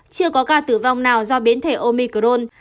chưa có ca tử vong nào do biến thể omicron